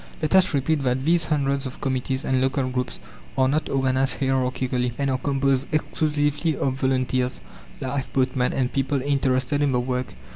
Let us repeat that these hundreds of committees and local groups are not organized hierarchically, and are composed exclusively of volunteers, lifeboatmen, and people interested in the work.